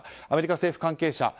アメリカ政府関係者